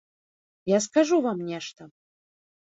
Я скажу вам нешта.